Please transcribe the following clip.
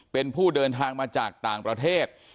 เป็นผู้เดินทางมาจากต่างประเทศ